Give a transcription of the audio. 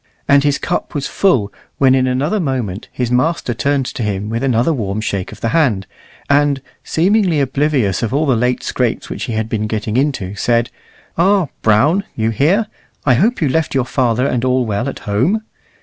And his cup was full when in another moment his master turned to him with another warm shake of the hand, and, seemingly oblivious of all the late scrapes which he had been getting into, said, "Ah, Brown, you here! I hope you left your father and all well at home?"